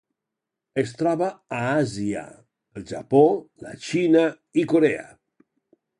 Es troba a Àsia: el Japó, la Xina i Corea.